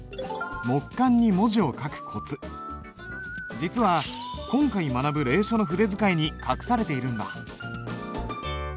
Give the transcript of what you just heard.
実は今回学ぶ隷書の筆使いに隠されているんだ。